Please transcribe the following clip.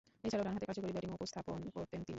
এছাড়াও ডানহাতে কার্যকরী ব্যাটিং উপস্থাপন করতেন তিনি।